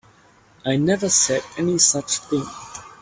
I never said any such thing.